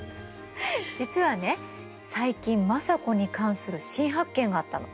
実はね最近政子に関する新発見があったの。